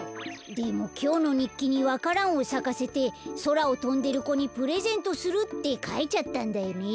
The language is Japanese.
でもきょうのにっきにわか蘭をさかせてそらをとんでる子にプレゼントするってかいちゃったんだよね。